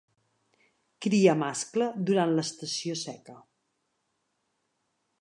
Cria mascle durant l'estació seca.